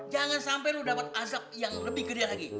jangan sampai lu dapet azab yang lebih gede lagi